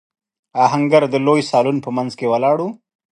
آهنګر د لوی سالون په مينځ کې ولاړ و.